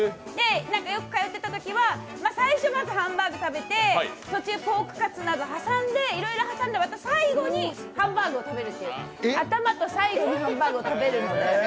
よく通っていたときは最初まずハンバーグ食べて、途中ポークカツなどを挟んでいろいろ挟んでまた最後にハンバーグを食べるという、頭と最後にハンバーグを食べるんです。